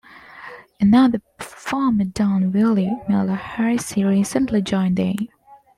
Another former Don Willie Miller has recently joined them.